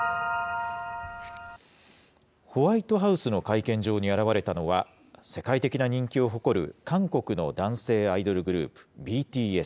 ホワイトハウスの会見場に現れたのは、世界的な人気を誇る韓国の男性アイドルグループ、ＢＴＳ。